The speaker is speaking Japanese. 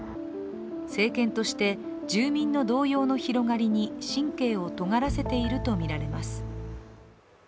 政権として、住民の動揺の広がりに神経をとがらせているとみられます。